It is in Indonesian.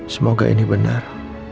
semoga ini benar